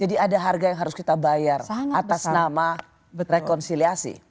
jadi ada harga yang harus kita bayar atas nama rekonsiliasi